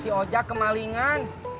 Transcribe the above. si ojak kemalingan